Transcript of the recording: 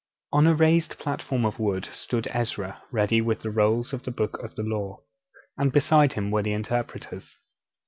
On a raised platform of wood stood Ezra ready with the rolls of the Books of the Law, and beside him were the interpreters.